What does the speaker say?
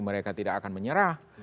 mereka tidak akan menyerah